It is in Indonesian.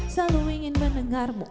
selalu ingin mendengarmu